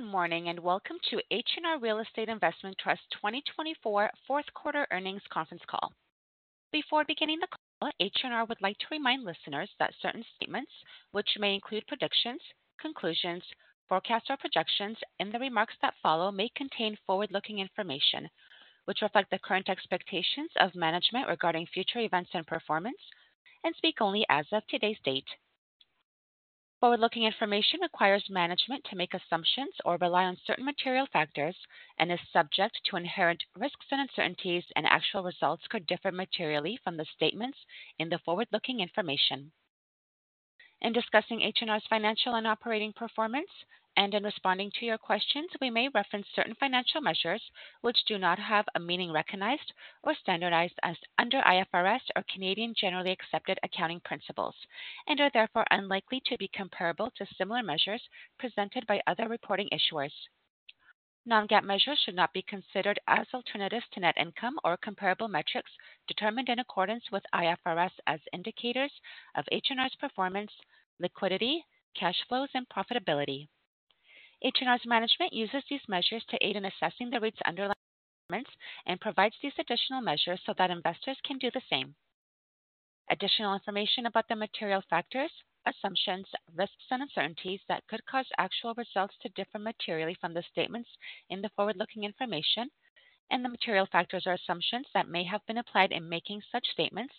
Good morning and welcome to H&R Real Estate Investment Trust 2024 Fourth Quarter Earnings Conference Call. Before beginning the call, H&R would like to remind listeners that certain statements, which may include predictions, conclusions, forecasts, or projections in the remarks that follow, may contain forward-looking information which reflects the current expectations of management regarding future events and performance, and speak only as of today's date. Forward-looking information requires management to make assumptions or rely on certain material factors and is subject to inherent risks and uncertainties, and actual results could differ materially from the statements in the forward-looking information. In discussing H&R's financial and operating performance and in responding to your questions, we may reference certain financial measures which do not have a meaning recognized or standardized under IFRS or Canadian Generally Accepted Accounting Principles and are therefore unlikely to be comparable to similar measures presented by other reporting issuers. Non-GAAP measures should not be considered as alternatives to net income or comparable metrics determined in accordance with IFRS as indicators of H&R's performance, liquidity, cash flows, and profitability. H&R's management uses these measures to aid in assessing the REIT's underlying performance and provides these additional measures so that investors can do the same. Additional information about the material factors, assumptions, risks, and uncertainties that could cause actual results to differ materially from the statements in the forward-looking information and the material factors or assumptions that may have been applied in making such statements,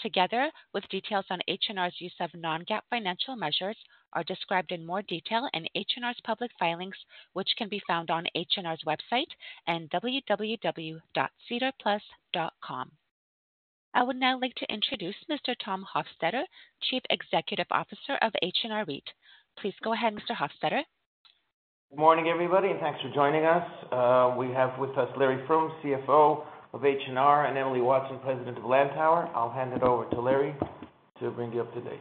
together with details on H&R's use of non-GAAP financial measures, are described in more detail in H&R's public filings, which can be found on H&R's website and www.sedarplus.com. I would now like to introduce Mr. Tom Hofstedter, Chief Executive Officer of H&R REIT. Please go ahead, Mr. Hofstedter. Good morning, everybody, and thanks for joining us. We have with us Larry Froom, CFO of H&R, and Emily Watson, President of Lantower. I'll hand it over to Larry to bring you up to date.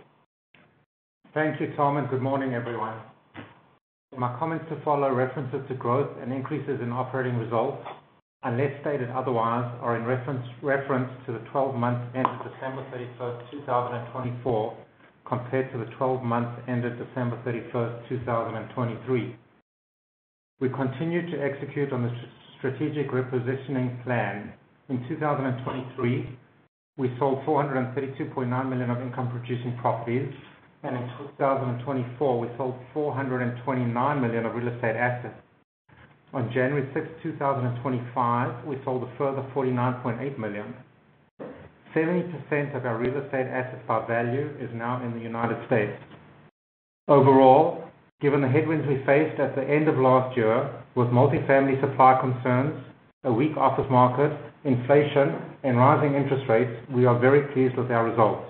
Thank you, Tom, and good morning, everyone. My comments to follow refer to growth and increases in operating results, unless stated otherwise, are in reference to the 12-month end of December 31st, 2024, compared to the 12-month end of December 31st, 2023. We continue to execute on the strategic repositioning plan. In 2023, we sold 432.9 million of income-producing properties, and in 2024, we sold 429 million of real estate assets. On January 6, 2025, we sold a further 49.8 million. 70% of our real estate assets by value is now in the United States. Overall, given the headwinds we faced at the end of last year with multifamily supply concerns, a weak office market, inflation, and rising interest rates, we are very pleased with our results.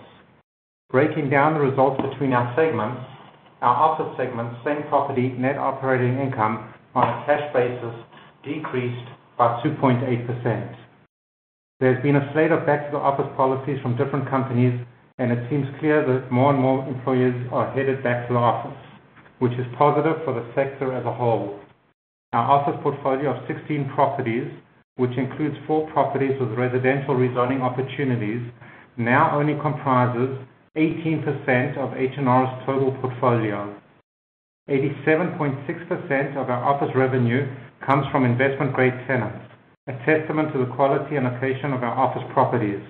Breaking down the results between our segments, our office segment, same property, net operating income on a cash basis decreased by 2.8%. There's been a slate of back-to-the-office policies from different companies, and it seems clear that more and more employers are headed back to the office, which is positive for the sector as a whole. Our office portfolio of 16 properties, which includes four properties with residential redevelopment opportunities, now only comprises 18% of H&R's total portfolio. 87.6% of our office revenue comes from investment-grade tenants, a testament to the quality and location of our office properties.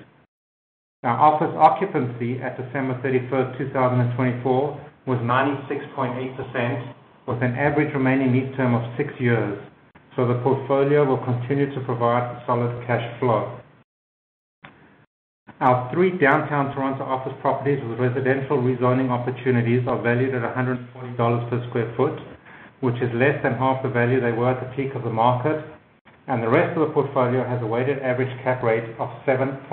Our office occupancy at December 31st, 2024, was 96.8%, with an average remaining lease term of six years, so the portfolio will continue to provide a solid cash flow. Our three downtown Toronto office properties with residential residing opportunities are valued at 140 dollars per sq ft, which is less than half the value they were at the peak of the market, and the rest of the portfolio has a weighted average cap rate of 7.76%.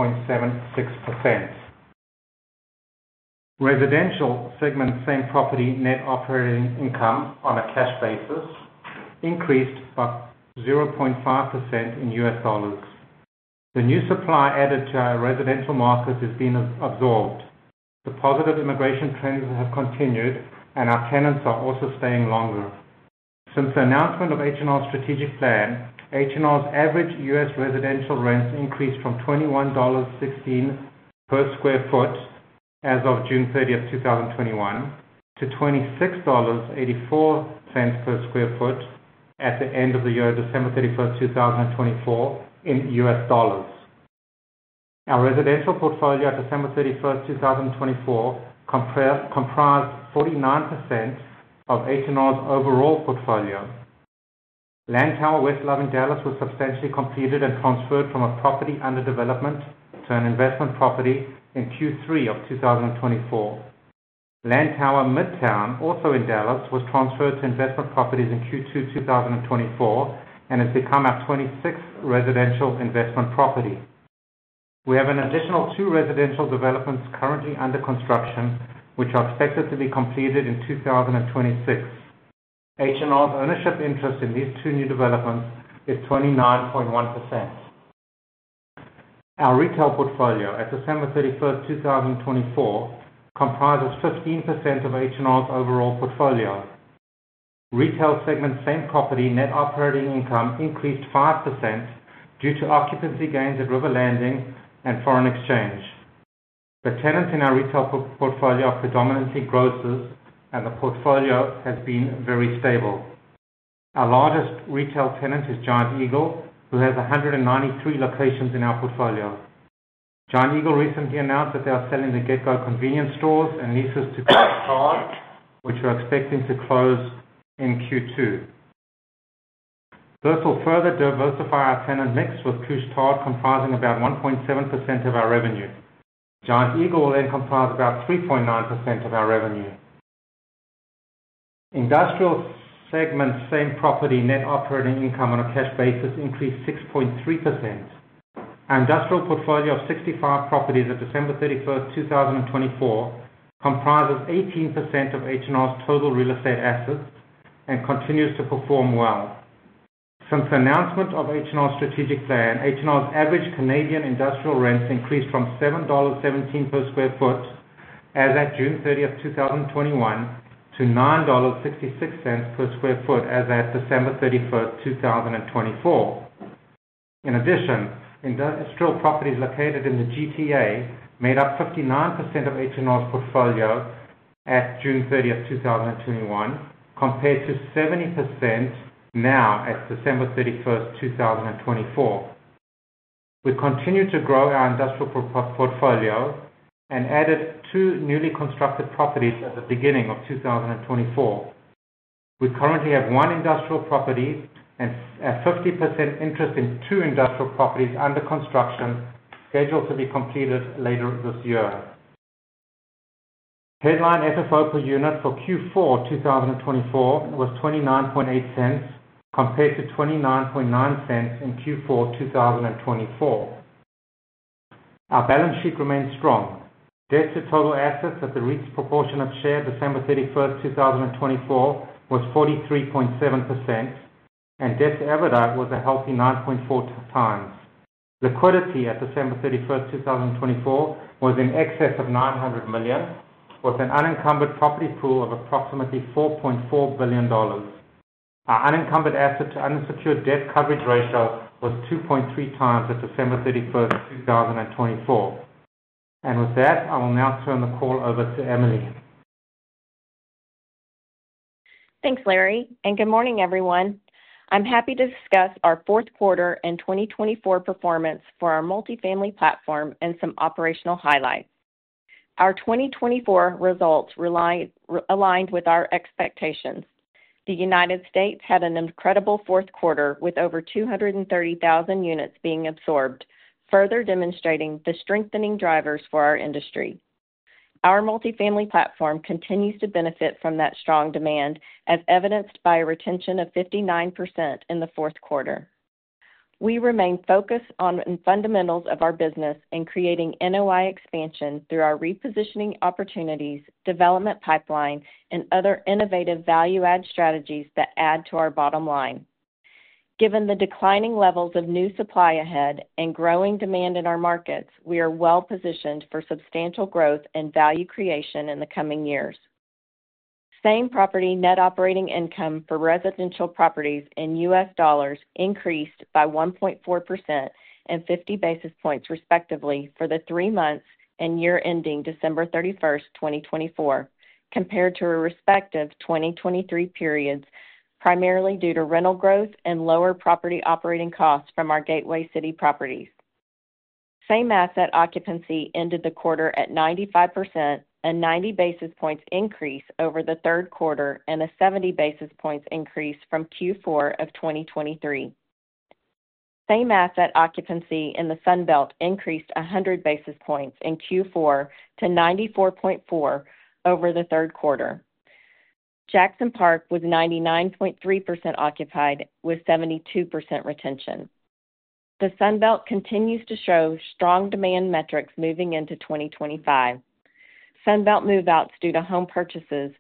Residential segment, Same Property, Net Operating Income on a cash basis increased by 0.5% in US dollars. The new supply added to our residential market has been absorbed. The positive immigration trends have continued, and our tenants are also staying longer. Since the announcement of H&R's strategic plan, H&R's average US residential rents increased from $21.16 per sq ft as of June 30, 2021, to $26.84 per sq ft at the end of the year, December 31st, 2024, in US dollars. Our residential portfolio at December 31st, 2024, comprised 49% of H&R's overall portfolio. Lantower West Love, Dallas was substantially completed and transferred from a property under development to an investment property in Q3 of 2024. Lantower Midtown, also in Dallas, was transferred to investment properties in Q2 2024 and has become our 26th residential investment property. We have an additional two residential developments currently under construction, which are expected to be completed in 2026. H&R's ownership interest in these two new developments is 29.1%. Our retail portfolio at December 31st, 2024, comprises 15% of H&R's overall portfolio. Retail segment, same property, net operating income increased 5% due to occupancy gains at River Landing and Wynwood Exchange. The tenants in our retail portfolio are predominantly grocers, and the portfolio has been very stable. Our largest retail tenant is Giant Eagle, who has 193 locations in our portfolio. Giant Eagle recently announced that they are selling their GetGo convenience stores and leases to Couche-Tard, which we're expecting to close in Q2. Those will further diversify our tenant mix with Couche-Tard, comprising about 1.7% of our revenue. Giant Eagle will then comprise about 3.9% of our revenue. Industrial segment, same property, net operating income on a cash basis increased 6.3%. Our industrial portfolio of 65 properties at December 31st, 2024, comprises 18% of H&R's total real estate assets and continues to perform well. Since the announcement of H&R's strategic plan, H&R's average Canadian industrial rents increased from 7.17 dollars per sq ft as at June 30, 2021, to CAD 9.66 per sq ft as at December 31st, 2024. In addition, industrial properties located in the GTA made up 59% of H&R's portfolio at June 30, 2021, compared to 70% now at December 31st, 2024. We continue to grow our industrial portfolio and added two newly constructed properties at the beginning of 2024. We currently have one industrial property and a 50% interest in two industrial properties under construction scheduled to be completed later this year. Headline FFO per unit for Q4 2024 was $0.298 compared to $0.299 in Q4 2024. Our balance sheet remains strong. Debt to total assets at the REIT's proportionate share December 31st, 2024, was 43.7%, and debt to EBITDA was a healthy 9.4 times. Liquidity at December 31st, 2024, was in excess of $900 million, with an unencumbered property pool of approximately $4.4 billion. Our unencumbered asset to unsecured debt coverage ratio was 2.3 times at December 31st, 2024. And with that, I will now turn the call over to Emily. Thanks, Larry, and good morning, everyone. I'm happy to discuss our fourth quarter and 2024 performance for our multifamily platform and some operational highlights. Our 2024 results aligned with our expectations. The United States had an incredible fourth quarter with over 230,000 units being absorbed, further demonstrating the strengthening drivers for our industry. Our multifamily platform continues to benefit from that strong demand, as evidenced by a retention of 59% in the fourth quarter. We remain focused on the fundamentals of our business and creating NOI expansion through our repositioning opportunities, development pipeline, and other innovative value-add strategies that add to our bottom line. Given the declining levels of new supply ahead and growing demand in our markets, we are well positioned for substantial growth and value creation in the coming years. Same property net operating income for residential properties in US dollars increased by 1.4% and 50 basis points respectively for the three months and year ending December 31st, 2024, compared to our respective 2023 periods, primarily due to rental growth and lower property operating costs from our gateway city properties. Same asset occupancy ended the quarter at 95%, a 90 basis points increase over the third quarter, and a 70 basis points increase from Q4 of 2023. Same asset occupancy in the Sunbelt increased 100 basis points in Q4 to 94.4% over the third quarter. Jackson Park was 99.3% occupied with 72% retention. The Sunbelt continues to show strong demand metrics moving into 2025. Sunbelt move-outs due to home purchases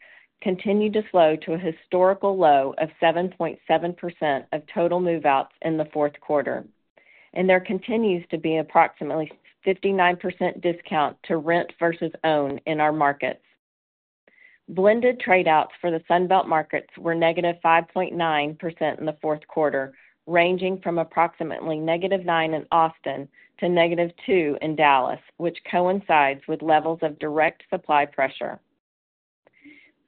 continue to slow to a historical low of 7.7% of total move-outs in the fourth quarter, and there continues to be approximately 59% discount to rent versus own in our markets. Blended tradeouts for the Sunbelt markets were negative 5.9% in the fourth quarter, ranging from approximately negative -9% in Austin to negative -2% in Dallas, which coincides with levels of direct supply pressure.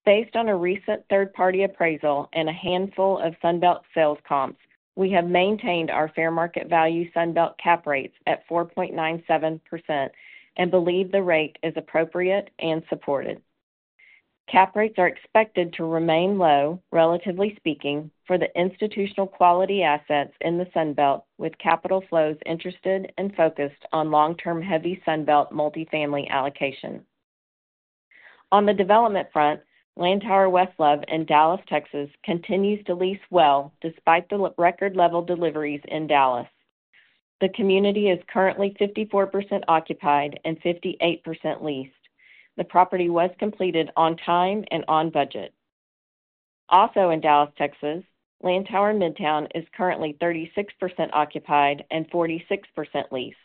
Based on a recent third-party appraisal and a handful of Sunbelt sales comps, we have maintained our fair market value Sunbelt cap rates at 4.97% and believe the rate is appropriate and supported. Cap rates are expected to remain low, relatively speaking, for the institutional quality assets in the Sunbelt, with capital flows interested and focused on long-term heavy Sunbelt multifamily allocation. On the development front, Lantower West Love in Dallas, Texas, continues to lease well despite the record-level deliveries in Dallas. The community is currently 54% occupied and 58% leased. The property was completed on time and on budget. Also in Dallas, Texas, Lantower Midtown is currently 36% occupied and 46% leased.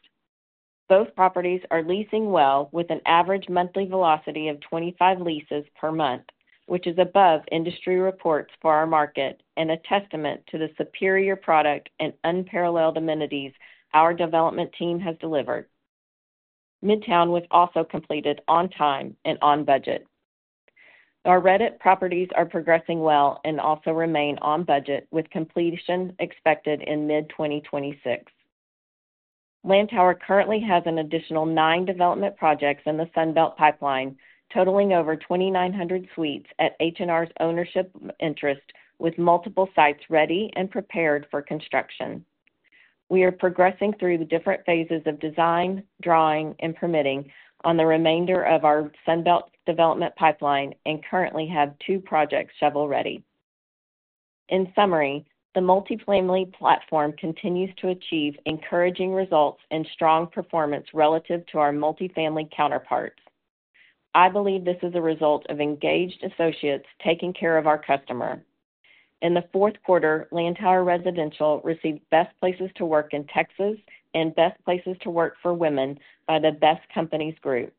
Both properties are leasing well with an average monthly velocity of 25 leases per month, which is above industry reports for our market and a testament to the superior product and unparalleled amenities our development team has delivered. Midtown was also completed on time and on budget. Our retail properties are progressing well and also remain on budget, with completion expected in mid-2026. Lantower currently has an additional nine development projects in the Sunbelt pipeline, totaling over 2,900 suites at H&R's ownership interest, with multiple sites ready and prepared for construction. We are progressing through the different phases of design, drawing, and permitting on the remainder of our Sunbelt development pipeline and currently have two projects shovel ready. In summary, the multifamily platform continues to achieve encouraging results and strong performance relative to our multifamily counterparts. I believe this is a result of engaged associates taking care of our customer. In the fourth quarter, Lantower Residential received Best Places to Work in Texas and Best Places to Work for Women by the Best Companies Group.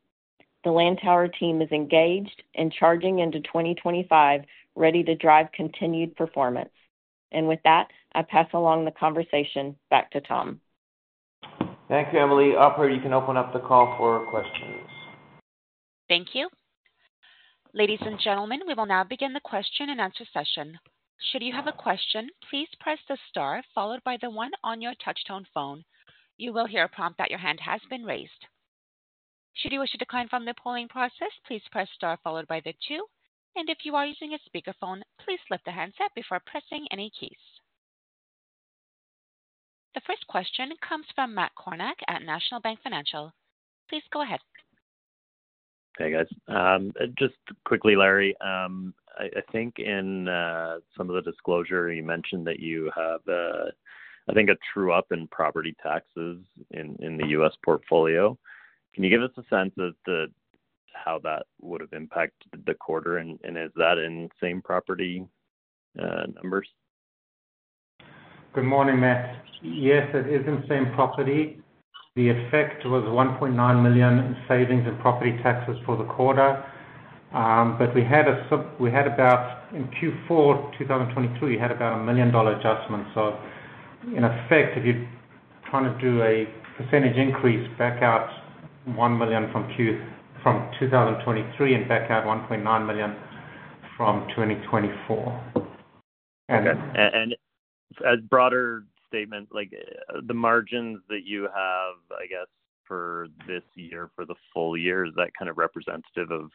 The Lantower team is engaged and charging into 2025, ready to drive continued performance. And with that, I pass along the conversation back to Tom. Thank you, Emily. Operator, you can open up the call for questions. Thank you. Ladies and gentlemen, we will now begin the question and answer session. Should you have a question, please press the star followed by the one on your touchtone phone. You will hear a prompt that your hand has been raised. Should you wish to decline from the polling process, please press star followed by the two. And if you are using a speakerphone, please lift the handset before pressing any keys. The first question comes from Matt Kornack at National Bank Financial. Please go ahead. Hey, guys. Just quickly, Larry, I think in some of the disclosure you mentioned that you have, I think, a true-up in property taxes in the U.S. portfolio. Can you give us a sense of how that would have impacted the quarter? And is that in same property numbers? Good morning, Matt. Yes, it is in Same Property. The effect was 1.9 million in savings in property taxes for the quarter. But we had about in Q4 2023, we had about a million-dollar adjustment. So in effect, if you're trying to do a percentage increase, back out one million from Q from 2023 and back out 1.9 million from 2024. As a broader statement, the margins that you have, I guess, for this year, for the full year, is that kind of representative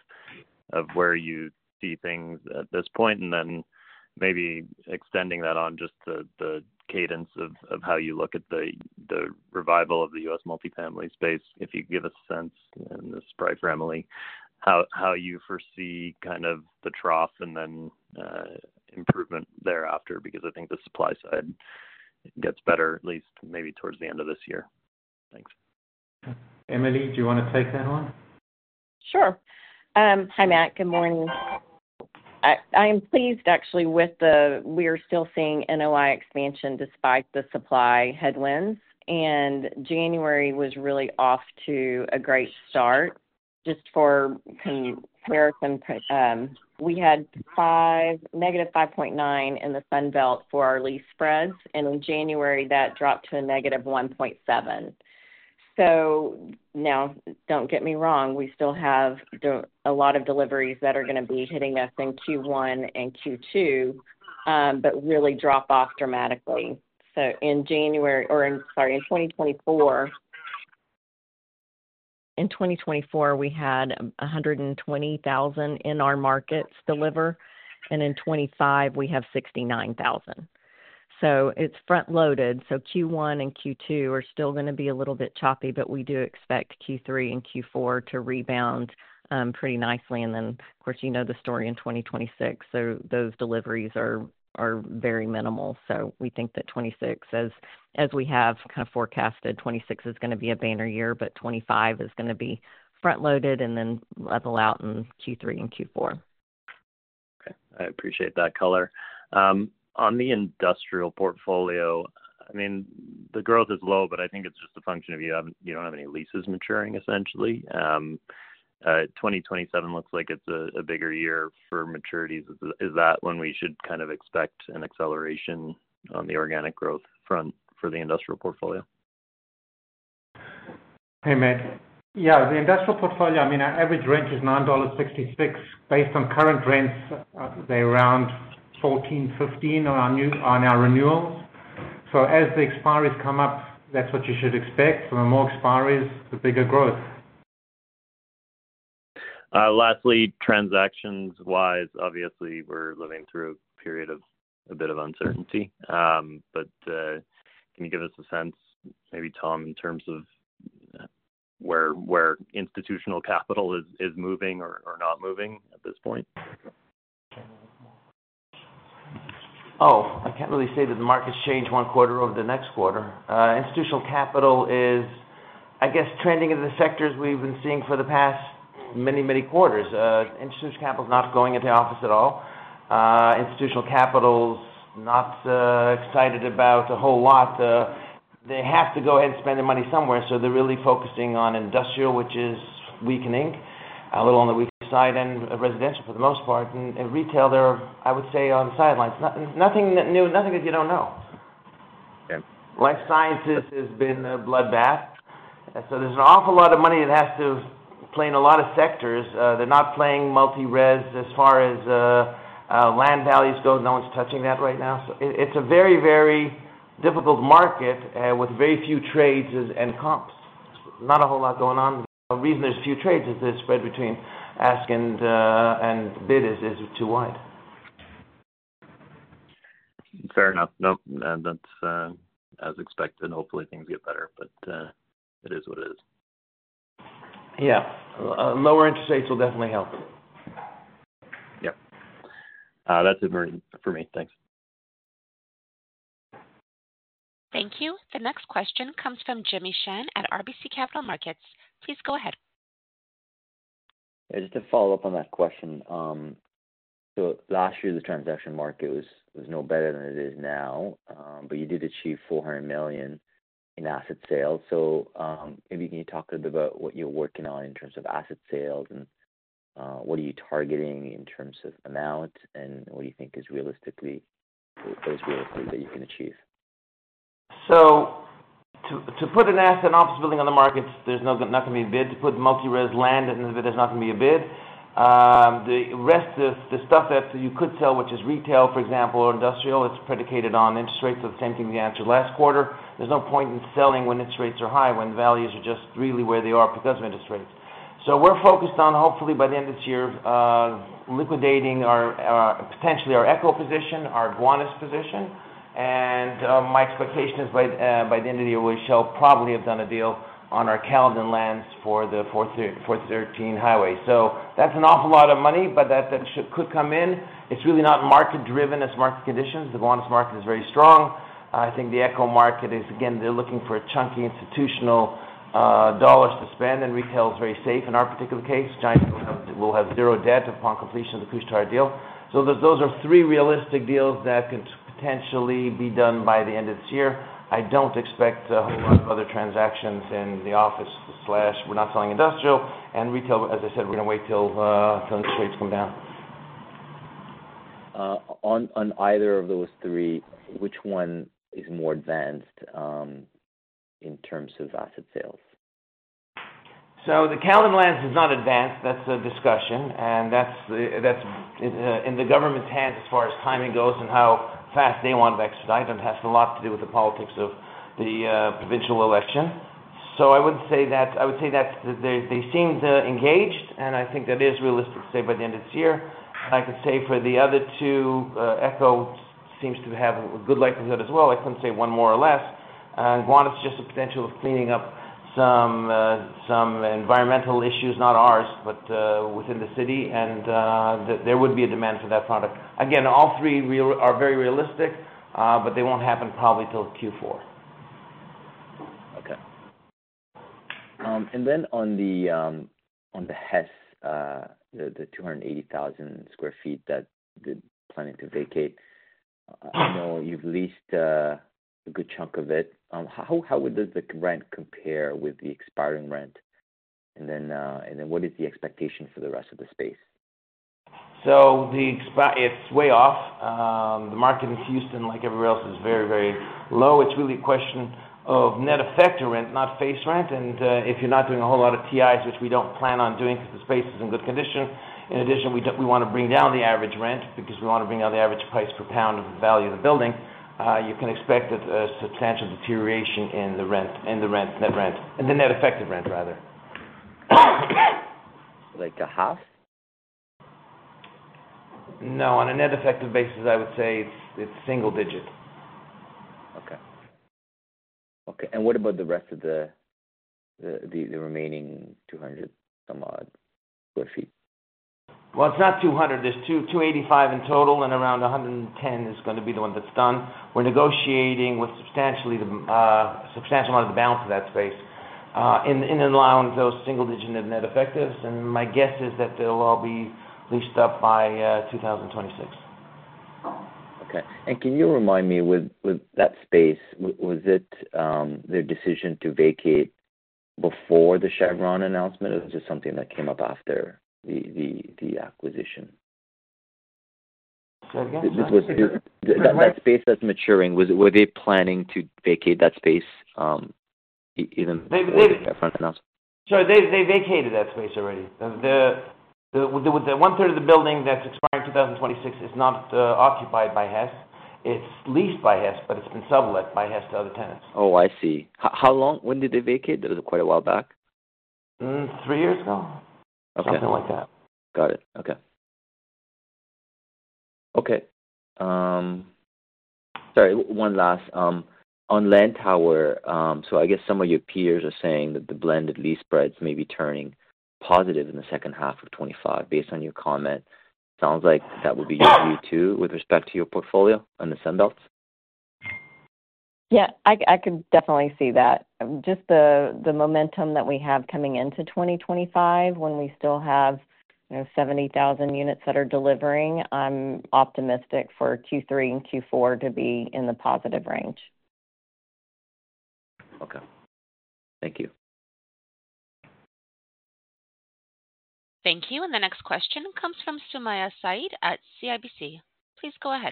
of where you see things at this point? Then maybe extending that on just the cadence of how you look at the revival of the US multifamily space, if you give us a sense in the Sunbelt family, how you foresee kind of the trough and then improvement thereafter, because I think the supply side gets better, at least maybe towards the end of this year. Thanks. Emily, do you want to take that one? Sure. Hi, Matt. Good morning. I am pleased, actually, with the we are still seeing NOI expansion despite the supply headwinds. January was really off to a great start. Just for comparison, we had -5.9% in the Sunbelt for our lease spreads. In January, that dropped to a -1.7%. Now, don't get me wrong, we still have a lot of deliveries that are going to be hitting us in Q1 and Q2, but really drop off dramatically. In January or, sorry, in 2024, we had 120,000 in our markets deliver. In 2025, we have 69,000. It's front-loaded. Q1 and Q2 are still going to be a little bit choppy, but we do expect Q3 and Q4 to rebound pretty nicely. Then, of course, you know the story in 2026. Those deliveries are very minimal. So we think that 2026, as we have kind of forecasted, 2026 is going to be a banner year, but 2025 is going to be front-loaded and then level out in Q3 and Q4. Okay. I appreciate that color. On the industrial portfolio, I mean, the growth is low, but I think it's just a function of you don't have any leases maturing, essentially. 2027 looks like it's a bigger year for maturities. Is that when we should kind of expect an acceleration on the organic growth front for the industrial portfolio? Hey, Matt. Yeah, the industrial portfolio, I mean, our average rent is $9.66. Based on current rents, they're around $14.15 on our renewals. So as the expiries come up, that's what you should expect. So the more expiries, the bigger growth. Lastly, transactions-wise, obviously, we're living through a period of a bit of uncertainty. But can you give us a sense, maybe, Tom, in terms of where institutional capital is moving or not moving at this point? Oh, I can't really say that the markets changed one quarter over the next quarter. Institutional capital is, I guess, trending in the sectors we've been seeing for the past many, many quarters. Institutional capital is not going into the office at all. Institutional capital is not excited about a whole lot. They have to go ahead and spend their money somewhere, so they're really focusing on industrial, which is weakening, a little on the weaker side, and residential for the most part, and retail, they're, I would say, on the sidelines. Nothing that new, nothing that you don't know. Life sciences has been a bloodbath, so there's an awful lot of money that has to play in a lot of sectors. They're not playing multi-rez as far as land values go. No one's touching that right now. So it's a very, very difficult market with very few trades and comps. Not a whole lot going on. The reason there's few trades is the spread between ask and bid is too wide. Fair enough. Nope. That's as expected. Hopefully, things get better, but it is what it is. Yeah. Lower interest rates will definitely help. Yep. That's it for me. Thanks. Thank you. The next question comes from Jimmy Shen at RBC Capital Markets. Please go ahead. Just to follow up on that question. So last year, the transaction market was no better than it is now, but you did achieve 400 million in asset sales. So maybe can you talk a little bit about what you're working on in terms of asset sales and what are you targeting in terms of amount and what do you think is realistically that you can achieve? So to put an asset and office building on the market, there's not going to be a bid. To put multi-res land, there's not going to be a bid. The rest of the stuff that you could sell, which is retail, for example, or industrial, it's predicated on interest rates. So the same thing you answered last quarter. There's no point in selling when interest rates are high, when values are just really where they are because of interest rates. So we're focused on, hopefully, by the end of this year, liquidating potentially our Echo position, our Gowanus position. And my expectation is by the end of the year, we shall probably have done a deal on our Caledon lands for Highway 413. So that's an awful lot of money, but that could come in. It's really not market-driven as market conditions. The Gowanus market is very strong. I think the Echo market is, again, they're looking for a chunky institutional dollars to spend, and retail is very safe. In our particular case, Giant will have zero debt upon completion of the Couche-Tard deal. So those are three realistic deals that could potentially be done by the end of this year. I don't expect a whole lot of other transactions in the office. We're not selling industrial. And retail, as I said, we're going to wait till interest rates come down. On either of those three, which one is more advanced in terms of asset sales? The Caledon lands is not advanced. That's a discussion, and that's in the government's hands as far as timing goes and how fast they want to exercise. It has a lot to do with the politics of the provincial election. I would say that they seemed engaged, and I think that is realistic to say by the end of this year. I could say for the other two, Echo seems to have a good likelihood as well. I couldn't say one more or less. Gowanus is just a potential of cleaning up some environmental issues, not ours, but within the city, and there would be a demand for that product. Again, all three are very realistic, but they won't happen probably till Q4. Okay. And then on the Hess, the 280,000 sq ft that they're planning to vacate, I know you've leased a good chunk of it. How does the rent compare with the expiring rent? And then what is the expectation for the rest of the space? It's way off. The market in Houston, like everywhere else, is very, very low. It's really a question of net effective rent, not face rent. If you're not doing a whole lot of TIs, which we don't plan on doing because the space is in good condition, in addition, we want to bring down the average rent because we want to bring down the average price per square foot of the value of the building. You can expect a substantial deterioration in the rent, net rent, and the net effective rent, rather. Like a half? No. On a net effective basis, I would say it's single digit. Okay. Okay. And what about the rest of the remaining 200-some odd sq ft? It's not 200. There's 285 in total, and around 110 is going to be the one that's done. We're negotiating with substantially the substantial amount of the balance of that space in and around those single-digit net effective rents. And my guess is that they'll all be leased up by 2026. Okay. And can you remind me, with that space, was it their decision to vacate before the Chevron announcement, or is it something that came up after the acquisition? Say that again. That space that's maturing, were they planning to vacate that space even before the Chevron announcement? So they vacated that space already. The one-third of the building that's expiring 2026 is not occupied by Hess. It's leased by Hess, but it's been sublet by Hess to other tenants. Oh, I see. How long? When did they vacate? That was quite a while back. Three years ago. Something like that. Got it. Okay. Okay. Sorry. One last. On Lantower, so I guess some of your peers are saying that the blended lease spreads may be turning positive in the second half of 2025. Based on your comment, it sounds like that would be your view too with respect to your portfolio and the Sunbelt? Yeah. I can definitely see that. Just the momentum that we have coming into 2025, when we still have 70,000 units that are delivering, I'm optimistic for Q3 and Q4 to be in the positive range. Okay. Thank you. Thank you. And the next question comes from Sumayya Syed at CIBC. Please go ahead.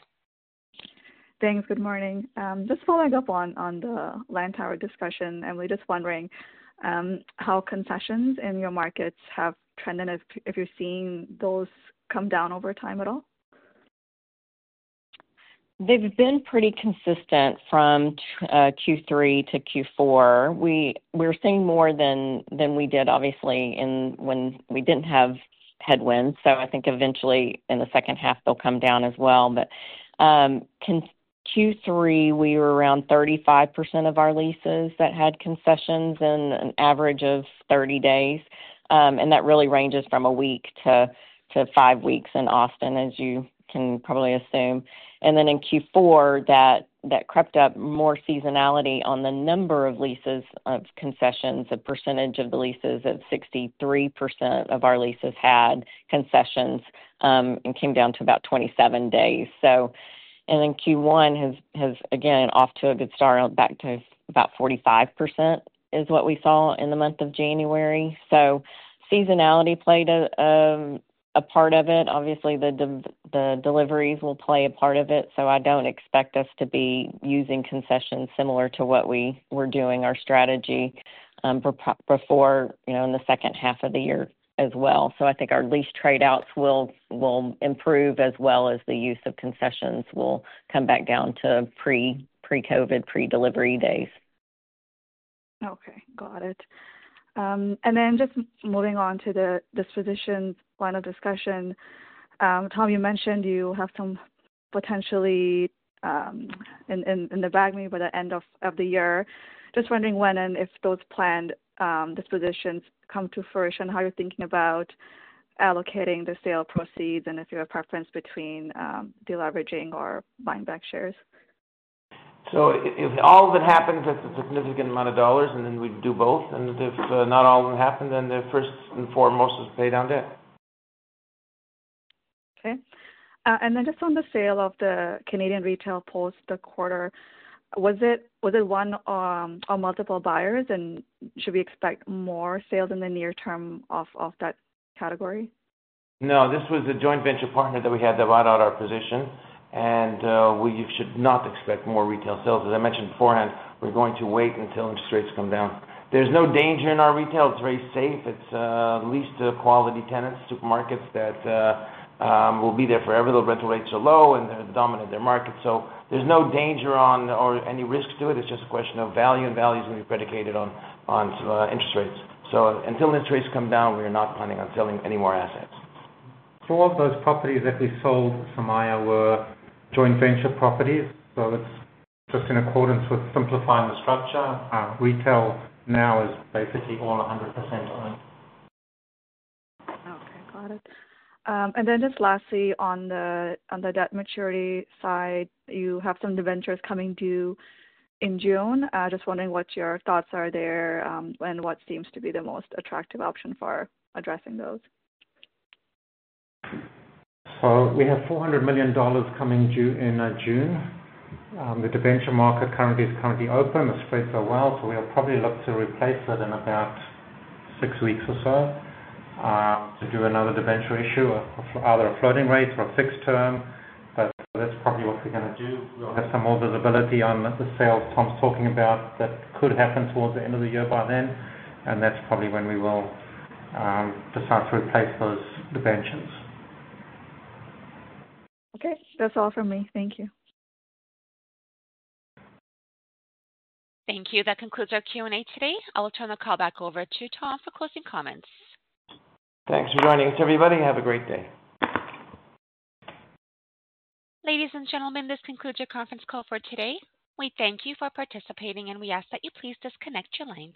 Thanks. Good morning. Just following up on the Lantower discussion, Emily, just wondering how concessions in your markets have trended, and if you're seeing those come down over time at all? They've been pretty consistent from Q3 to Q4. We're seeing more than we did, obviously, when we didn't have headwinds, so I think eventually, in the second half, they'll come down as well, but Q3 we were around 35% of our leases that had concessions, in an average of 30 days. And that really ranges from a week to five weeks in Austin, as you can probably assume. And then in Q4 that crept up, more seasonality on the number of leases with concessions, the percentage of the leases was 63% of our leases had concessions and came down to about 27 days. And then Q1 has, again, off to a good start, back to about 45% is what we saw in the month of January. So seasonality played a part of it. Obviously, the deliveries will play a part of it. So, I don't expect us to be using concessions similar to what we were doing our strategy before in the second half of the year as well. So, I think our lease spreads will improve as well as the use of concessions will come back down to pre-COVID, pre-delivery days. Okay. Got it. And then just moving on to the dispositions line of discussion. Tom, you mentioned you have some potentially in the bag maybe by the end of the year. Just wondering when and if those planned dispositions come to fruition, how you're thinking about allocating the sale proceeds and if you have preference between deleveraging or buying back shares? So if all of it happens, that's a significant amount of dollars, and then we do both. And if not all of them happen, then the first and foremost is pay down debt. Okay. And then, just on the sale of the Canadian retail post the quarter, was it one or multiple buyers, and should we expect more sales in the near term off that category? No. This was a joint venture partner that we had that bought out our position, and we should not expect more retail sales. As I mentioned beforehand, we're going to wait until interest rates come down. There's no danger in our retail. It's very safe. It's leased to quality tenants, supermarkets that will be there forever. The rental rates are low, and they're dominant in their market. So there's no danger or any risk to it. It's just a question of value, and value is going to be predicated on interest rates, so until interest rates come down, we are not planning on selling any more assets. All of those properties that we sold, Sumayya, were joint venture properties, so it's just in accordance with simplifying the structure. Retail now is basically all 100% owned. Okay. Got it and then just lastly, on the debt maturity side, you have some new ventures coming due in June. Just wondering what your thoughts are there and what seems to be the most attractive option for addressing those? We have $400 million coming due in June. The debenture market currently is open. The spreads are wild. We'll probably look to replace it in about six weeks or so to do another debenture issue, either a floating rate or a fixed term. That's probably what we're going to do. We'll have some more visibility on the sales Tom's talking about that could happen towards the end of the year by then. That's probably when we will decide to replace those debentures. Okay. That's all from me. Thank you. Thank you. That concludes our Q&A today. I will turn the call back over to Tom for closing comments. Thanks for joining us, everybody. Have a great day. Ladies and gentlemen, this concludes your conference call for today. We thank you for participating, and we ask that you please disconnect your lines.